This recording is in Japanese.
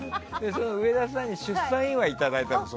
その上田さんに出産祝いをいただいたの。